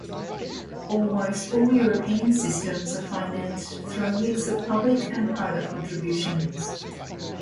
Almost all European systems are financed through a mix of public and private contributions.